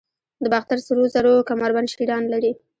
د باختر سرو زرو کمربند شیران لري